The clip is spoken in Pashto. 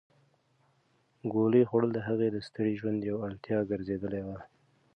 ګولۍ خوړل د هغې د ستړي ژوند یوه اړتیا ګرځېدلې وه.